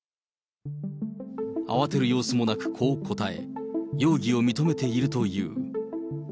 慌てる様子もなく、こう答え、容疑を認めているという。